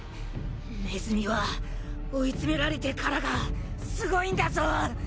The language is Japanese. ネズミは追い詰められてからがすごいんだぞ。